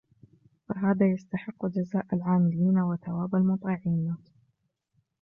فَهَذَا يَسْتَحِقُّ جَزَاءَ الْعَامِلِينَ ، وَثَوَابَ الْمُطِيعِينَ